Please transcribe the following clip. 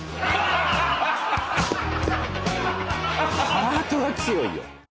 ハートが強いよ。